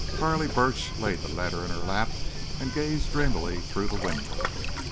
Carley Burch laid the letter in her lap and gazed dreamily through the window.